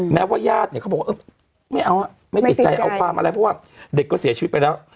แม้ว่าญาติเนี่ยเขาบอกว่าไม่เอาไม่ติดใจเอาความอะไรเพราะว่าเด็กก็เสียชีวิตไปแล้ว